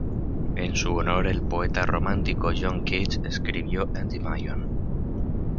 En su honor, el poeta romántico John Keats escribió "Endymion".